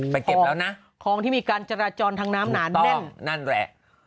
ไปเก็บแล้วนะคลองที่มีการจราจรแถนน้ำนั่นแหละ